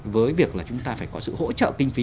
với việc là chúng ta phải có sự hỗ trợ kinh phí